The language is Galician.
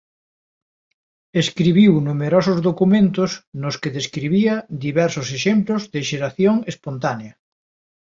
Escribiu numerosos documentos nos que describía diversos exemplos de xeración espontánea.